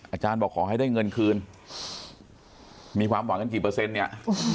อาจารย์บอกขอให้ได้เงินคืนมีความหวังกันกี่เปอร์เซ็นต์เนี่ย